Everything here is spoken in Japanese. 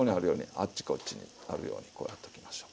あっちこっちにあるようにこうやっときましょ。